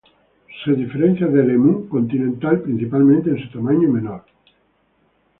Se diferencia del Emú continental principalmente en su tamaño menor.